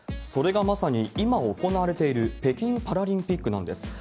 それがまさに、今行われている北京パラリンピックなんです。